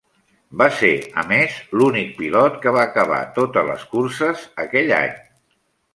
Va ser, a més, l'únic pilot que va acabar totes les curses aquell any.